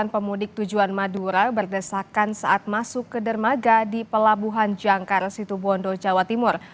pemudik tujuan madura berdesakan saat masuk ke dermaga di pelabuhan jangkar situbondo jawa timur